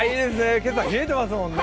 今朝冷えてますもんね。